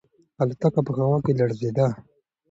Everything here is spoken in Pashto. الوتکه په هوا کې لړزیده.